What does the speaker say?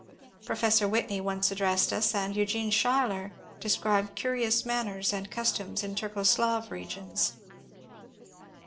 Professor Whitney once addressed us, and Eugene Schuyler described curious manners and customs in Turco Slav regions.